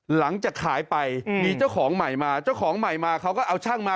หลังจากขายไปมีเจ้าของใหม่มาเจ้าของใหม่มาเขาก็เอาช่างมา